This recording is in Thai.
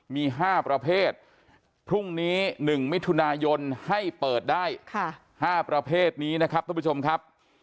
มี๕ประเภทพรุ่งนี้๑มิถุนายนให้เปิดได้๕ประเภทนี้นะครับท่านผู้ชมครับ